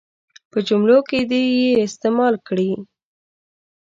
په جملو کې دې یې استعمال کړي.